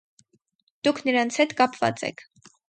Դուք նրանց հետ կապված եք։